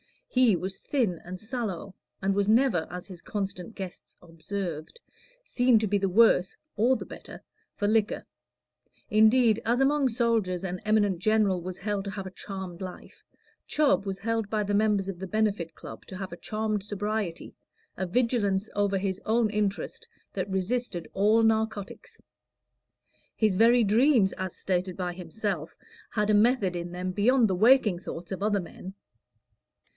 He was thin and sallow, and was never, as his constant guests observed, seen to be the worse (or the better) for liquor; indeed, as among soldiers an eminent general was held to have a charmed life, Chubb was held by the members of the Benefit Club to have a charmed sobriety, a vigilance over his own interest that resisted all narcotics. His very dreams, as stated by himself, had a method in them beyond the waking thoughts of other men.